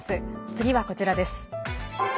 次はこちらです。